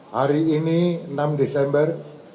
hari ini enam desember dua ribu dua puluh dua